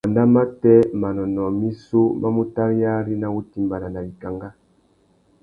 Wanda matê manônōh missú má mú taréyari nà wutimbāna nà wikangá.